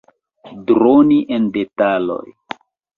Droni en detaloj.